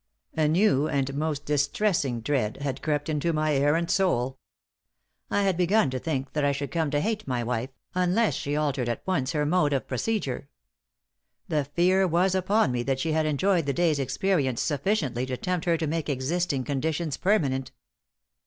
A new and most distressing dread had crept into my errant soul. I had begun to think that I should come to hate my wife, unless she altered at once her mode of procedure. The fear was upon me that she had enjoyed the day's experience sufficiently to tempt her to make existing conditions permanent.